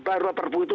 darurat perbu itu